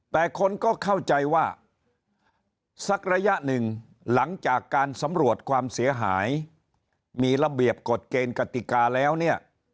แต่คนก็เข้าใจว่าสักระยะหนึ่งหลังจากการสำรวจความเสียหายมีระเบียบกฎเกณฑ์กติกาแล้วเนี่ย